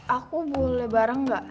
aku boleh bareng gak